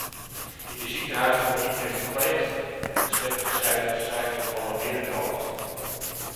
In de ziekenhuizen wordt niet meer verpleegd en het sterftecijfer stijgt tot alarmerende hoogte.